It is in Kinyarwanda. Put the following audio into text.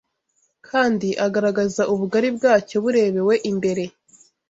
kandi agaragaza ubugari bwacyo burebewe imbere